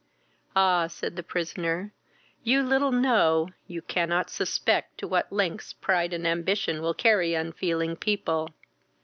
"Ah! (said the prisoner) you little know, you cannot suspect to what lengths pride and ambition will carry unfeeling people.